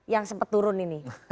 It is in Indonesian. yang sempat turun ini